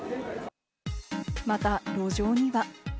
また路上には。